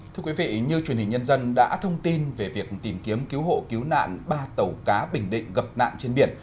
thưa quý vị như truyền hình nhân dân đã thông tin về việc tìm kiếm cứu hộ cứu nạn ba tàu cá bình định gặp nạn trên biển